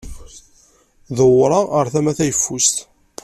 Dewwṛeɣ ar tama tayeffust.